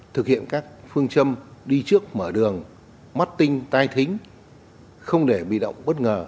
thực hiện các phương châm đi trước mở đường mắt tinh tai thính không để bị động bất ngờ đối ngoại công an nhân dân